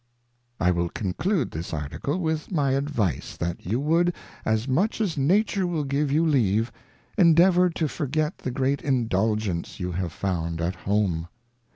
I wiii conclude this Article with my Advice, That you would, as much as Nature will give you leave, endeavour to forget the great Indulgence you have found at home.